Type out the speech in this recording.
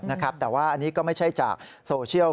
นะครับแต่ว่าอันนี้ก็ไม่ใช่จากโซเชียล